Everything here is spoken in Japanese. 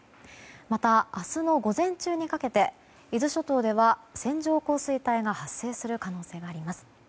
また、明日の午前中にかけて伊豆諸島では線状降水帯が発生する可能性があります。